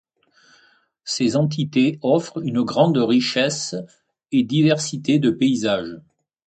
Ces entités offrent une grande richesse et diversité de paysages.